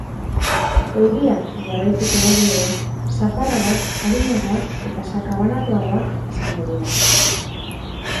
Euriak jarraituko badu ere, zaparradak arinagoak eta sakabanatuagoak izango dira.